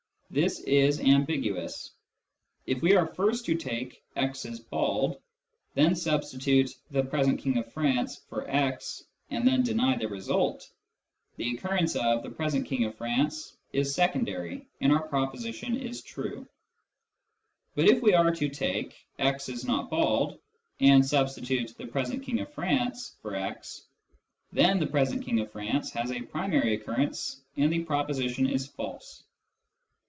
This is ambiguous. If we are first to take " x is bald," then substitute " the present King of France " for " x," and then deny the result, the occurrence of " the present King of France " is secondary and our proposition is true ; but if we are to take " x is not bald " and substitute " the present King of France " for " x," then " the present King of France " has a primary occurrence and the proposition is false.